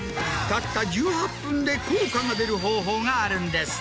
たった１８分で効果が出る方法があるんです。